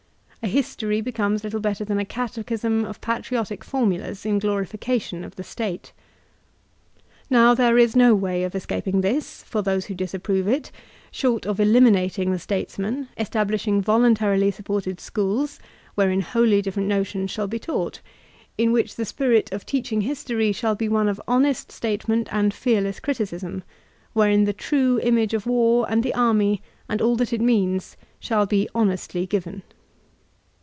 A history becomes little better than a catechism of patri otic formulas in glorification of the State. Now there is no way of escaping this, for those who disapprove it, short of eliminating the statesman, estab lishing voluntarily supported schools, wherein wholly dif ferent notions shall be taught; in which the spirit of teaching hbtory shall be one of honest statement and fearless criticism; wherein the true image of war and the army and all that it means shall be honestly given.